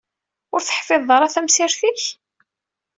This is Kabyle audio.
Ur teḥfiḍeḍ ara tamsirt-ik?